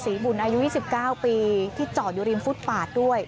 ศรีบุ่นอายุ๒๙ปีที่เจาะอยู่ริมฟุตปาดด้วย